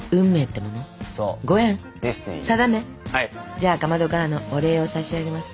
じゃあかまどからのお礼を差し上げます。